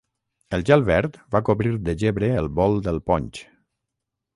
El gel verd va cobrir de gebre el bol del ponx.